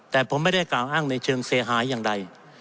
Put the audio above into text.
แต่ผมไม่ได้กล่าวอ้างในเชิงเสียหายอย่างใด